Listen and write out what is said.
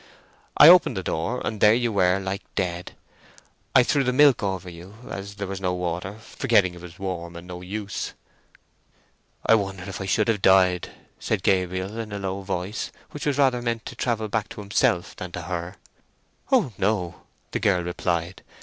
I opened the door, and there you were like dead. I threw the milk over you, as there was no water, forgetting it was warm, and no use." "I wonder if I should have died?" Gabriel said, in a low voice, which was rather meant to travel back to himself than to her. "Oh no!" the girl replied.